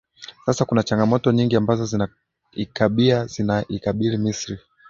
sasa kuna changamoto nyingi ambazo zinaikabia zinaikabili misri